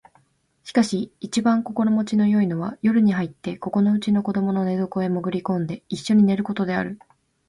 しかし一番心持ちの好いのは夜に入ってここのうちの子供の寝床へもぐり込んで一緒に寝る事である